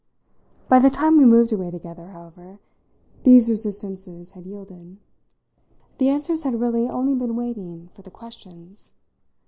By the time we moved away together, however, these resistances had yielded. The answers had really only been waiting for the questions.